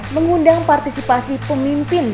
mengundang partisipasi pemimpin